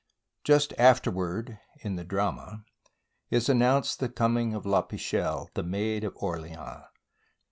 Just afterward in the drama is announced the coming of La Pucelle, the Maid of Orleans.